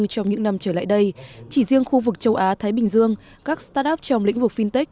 trong những năm trở lại đây chỉ riêng khu vực châu á thái bình dương các start up trong lĩnh vực fintech